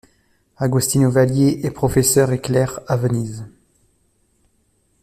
Agostino Valier est professeur et clerc à Venise.